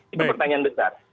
itu pertanyaan besar